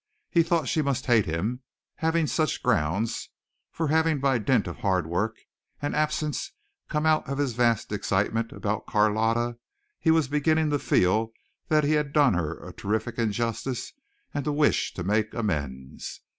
He thought she must hate him, having such just grounds, for having by dint of hard work and absence come out of his vast excitement about Carlotta he was beginning to feel that he had done her a terrific injustice and to wish to make amends.